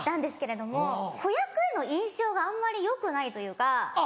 子役への印象があんまりよくないというか。